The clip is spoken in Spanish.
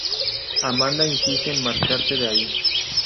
Amanda insiste en marcharse de ahí.